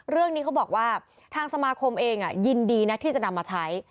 เรื่องนี้เขาบอกว่าทางสมาคมเองยินดีนะที่จะนำมาใช้